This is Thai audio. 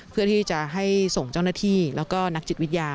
เพื่อที่จะให้ส่งเจ้าหน้าที่แล้วก็นักจิตวิทยา